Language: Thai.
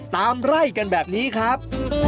ไล่กันแบบนี้ครับ